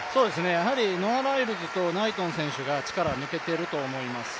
やはりノア・ライルズとナイトン選手が力は抜けてると思います。